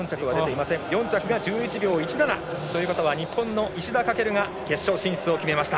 ４着が１１秒１７。ということは日本の石田駆が決勝進出を決めました。